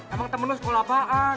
emang temen lu sekolah apaan